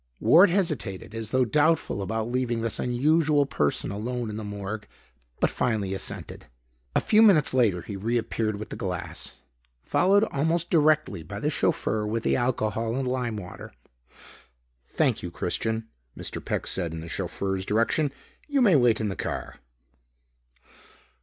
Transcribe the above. Ward hesitated, as though doubtful about leaving this unusual person alone in the morgue, but finally assented. A few minutes later he reappeared with the glass, followed almost directly by the chauffeur with the alcohol and lime water. "Thank you, Christian," Mr. Peck said in the chauffeur's direction. "You may wait in the car."